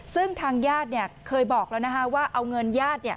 ซึ่งทางญาติเนี่ยเคยบอกแล้วนะฮะว่าเอาเงินญาติเนี่ย